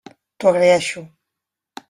T'ho agraeixo.